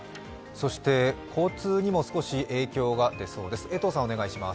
交通にも少し影響が出そうです。